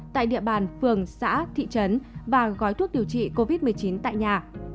tại địa bàn phường xã thị trấn và gói thuốc điều trị covid một mươi chín tại nhà